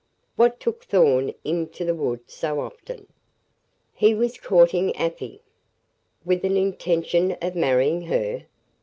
"What took Thorn into the wood so often?" "He was courting Afy." "With an intention of marrying her?"